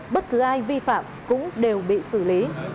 bất cứ ai vi phạm cũng đều bị xử lý